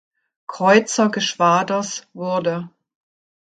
Kreuzergeschwaders wurde.